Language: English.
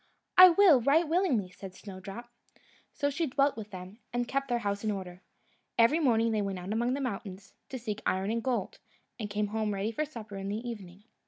"I will, right willingly," said Snowdrop. So she dwelt with them, and kept their house in order. Every morning they went out among the mountains, to seek iron and gold, and came home ready for supper in the evening.